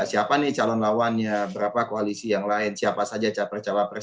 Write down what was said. siapa nih calon lawannya berapa koalisi yang lain siapa saja capai capai presiden